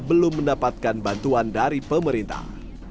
belum mendapatkan bantuan dari pemerintah